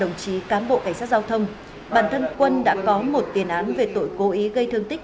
đồng chí cán bộ cảnh sát giao thông bản thân quân đã có một tiền án về tội cố ý gây thương tích